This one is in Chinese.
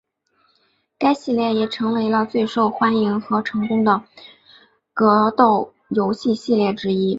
该系列也成为了最受欢迎和成功的格斗游戏系列之一。